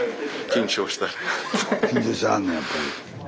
緊張しはんねややっぱり。